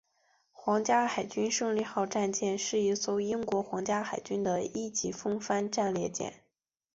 皇家海军胜利号战舰是一艘英国皇家海军的一级风帆战列舰。